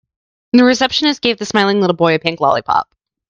The receptionist gave the smiling little boy a pink lollipop.